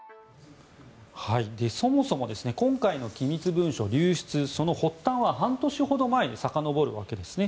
そもそも今回の機密文書流出、その発端は半年ほど前にさかのぼるわけですね。